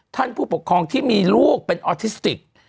ผู้ปกครองที่มีลูกเป็นออทิสติก